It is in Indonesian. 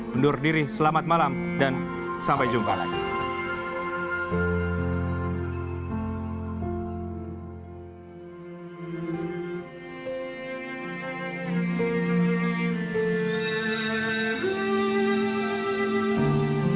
undur diri selamat malam dan sampai jumpa lagi